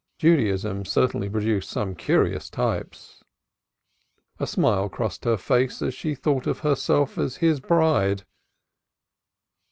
Judaism certainly produced some curious types. A smile crossed her face as she thought of herself as his bride.